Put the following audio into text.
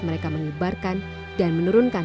mereka mengibarkan dan menurunkan